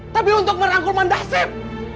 tapi untuk merangkul mandasip